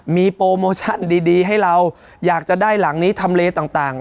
มีโปรโมชั่นดีให้เราอยากจะได้หลังนี้ทำเลต่าง